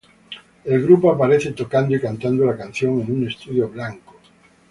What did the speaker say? El grupo aparece tocando y cantando la canción en un estudio blanco.